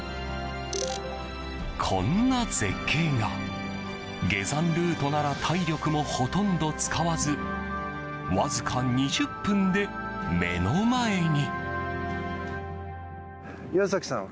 こんな絶景が、下山ルートなら体力もほとんど使わずわずか２０分で目の前に。